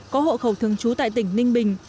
có hộ khẩu thường trú tại tỉnh ninh bình